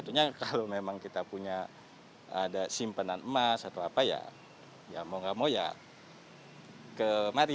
tentunya kalau memang kita punya ada simpanan emas atau apa ya mau gak mau ya kemari